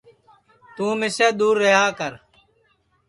توں مِسے دؔور رہیا کر